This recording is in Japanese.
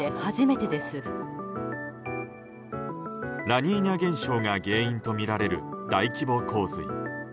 ラニーニャ現象が原因とみられる大規模洪水。